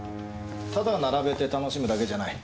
ただ並べて楽しむだけじゃない。